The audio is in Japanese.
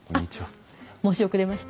あっ申し遅れました。